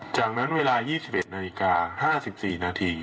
จากนั้นเวลา๒๑นาฬิกา๕๔นาที